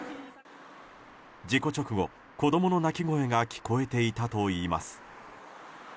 事故直後、子供の泣き声が聞こえていたといいます。